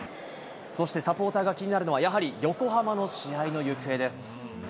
そしてサポーターが気になるのは、やはり横浜の試合の行方です。